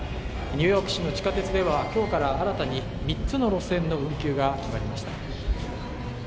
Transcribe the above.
ニューヨーク市の地下鉄では今日から新たに３つの路線の運休が決まりました